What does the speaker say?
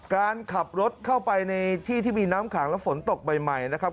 การขับรถเข้าไปในที่ที่มีน้ำขังและฝนตกใหม่นะครับ